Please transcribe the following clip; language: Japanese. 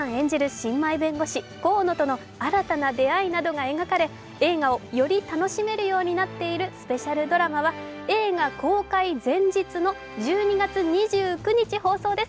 新米弁護士・河野との新たな出会いなどが描かれ、映画をより楽しめるようになっているスペシャルドラマは映画公開前日の１２月２９日放送です。